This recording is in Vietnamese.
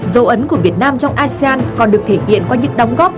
dấu ấn của việt nam trong asean còn được thể hiện qua những đóng góp